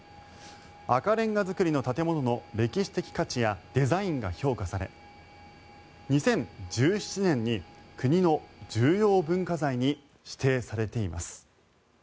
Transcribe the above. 赤レンガ造りの建物の歴史的価値やデザインが評価され２０１７年に国の重要文化財に指定されています。